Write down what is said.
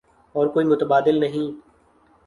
اور کوئی متبادل نہیں۔